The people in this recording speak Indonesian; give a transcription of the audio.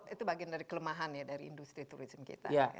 itu bagian dari kelemahan ya dari industri turisme kita